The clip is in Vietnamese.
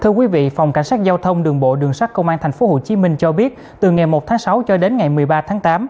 thưa quý vị phòng cảnh sát giao thông đường bộ đường sát công an tp hcm cho biết từ ngày một tháng sáu cho đến ngày một mươi ba tháng tám